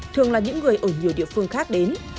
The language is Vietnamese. thường là những người ở nhiều địa phương khác đến